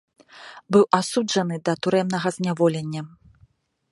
Быў асуджаны да турэмнага зняволення.